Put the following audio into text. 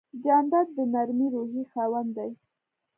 جانداد د نرمې روحیې خاوند دی.